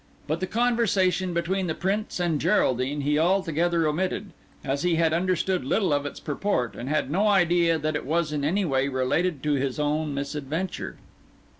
But the conversation between the Prince and Geraldine he altogether omitted, as he had understood little of its purport, and had no idea that it was in any way related to his own misadventure.